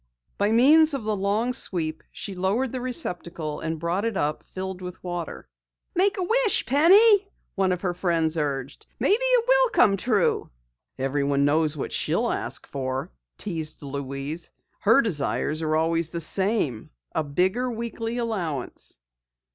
By means of the long sweep, she lowered the receptacle and brought it up filled with water. "Make a wish, Penny," one of her friends urged. "Maybe it will come true." "Everyone knows what she'll ask for!" teased Louise. "Her desires are always the same a bigger weekly allowance!"